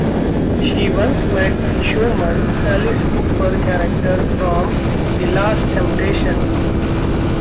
She once met the "Showman" Alice Cooper character from "The Last Temptation".